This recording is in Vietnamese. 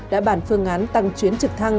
đã bản phương án tăng chuyến trực thăng